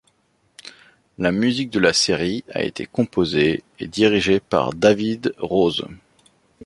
La musique de la série a été composée et dirigée par David Rose.